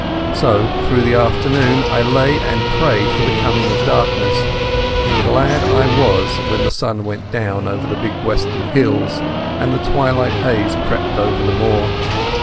So through the afternoon I lay and prayed for the coming of darkness, and glad I was when the sun went down over the big western hills and the twilight haze crept over the moor.